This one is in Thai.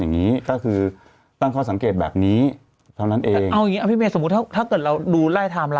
นี่โปรกมาให้เห็นไหม